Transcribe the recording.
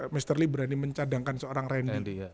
mr lee berani mencadangkan seorang randy